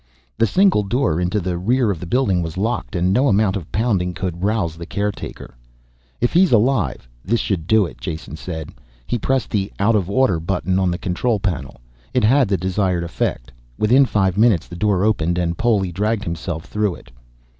The single door into the rear of the building was locked, and no amount of pounding could rouse the caretaker. "If he's alive, this should do it," Jason said. He pressed the out of order button on the control panel. It had the desired affect. Within five minutes the door opened and Poli dragged himself through it.